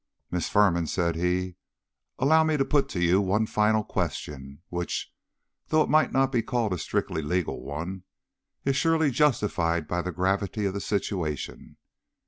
"Miss Firman," said he, "allow me to put to you one final question which, though it might not be called a strictly legal one, is surely justified by the gravity of the situation.